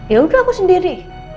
ya udah aku sendiri